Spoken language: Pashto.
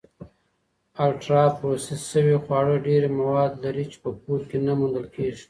الټرا پروسس شوي خواړه ډېری مواد لري چې په کور کې نه موندل کېږي.